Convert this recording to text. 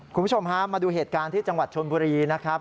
คุณผู้ชมฮะมาดูเหตุการณ์ที่จังหวัดชนบุรีนะครับ